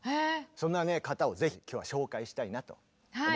そんな方をぜひ今日は紹介したいなと思っております。